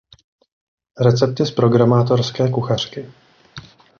Recepty z programátorské kuchařky.